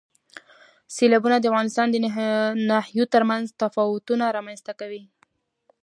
سیلابونه د افغانستان د ناحیو ترمنځ تفاوتونه رامنځ ته کوي.